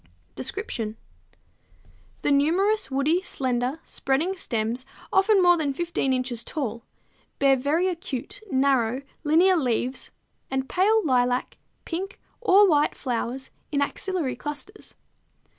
Description. The numerous woody, slender, spreading stems, often more than 15 inches tall, bear very acute, narrow, linear leaves and pale lilac, pink, or white flowers in axillary clusters.